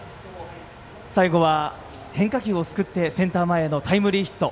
最後は変化球をすくってセンター前へのタイムリーヒット。